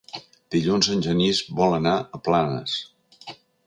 Dilluns en Genís vol anar a Planes.